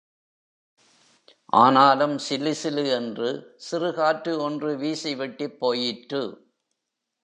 ஆனாலும் சிலுசிலு என்று சிறுகாற்று ஒன்று வீசி விட்டுப் போயிற்று.